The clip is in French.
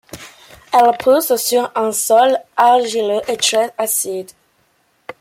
Elle pousse sur un sol argileux et très acide.